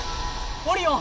オリオン！